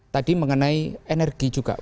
tadi mengenai energi juga